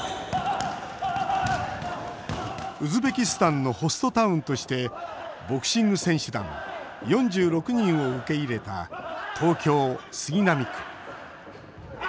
ウズベキスタンのホストタウンとしてボクシング選手団４６人を受け入れた東京・杉並区。